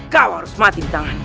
kau harus mati tanganku